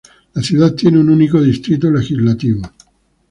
La ciudad tiene un único distrito legislativo.